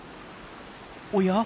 おや？